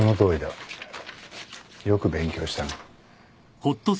よく勉強したな。